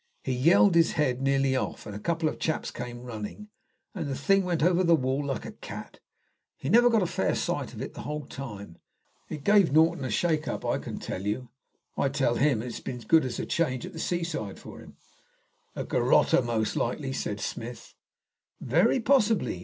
He yelled his head nearly off, and a couple of chaps came running, and the thing went over the wall like a cat. He never got a fair sight of it the whole time. It gave Norton a shake up, I can tell you. I tell him it has been as good as a change at the sea side for him." "A garrotter, most likely," said Smith. "Very possibly.